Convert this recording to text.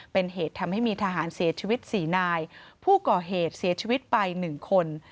เป็นเหตุทำให้มีทหารเสียชีวิต๔นายผู้ก่อเหตุเสียชีวิตไป๑คน